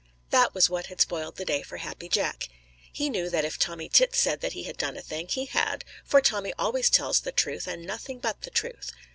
That was what had spoiled the day for Happy Jack. He knew that if Tommy Tit said that he had done a thing, he had, for Tommy always tells the truth and nothing but the truth.